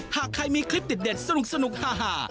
หากใครมีคลิปเด็ดสนุกหา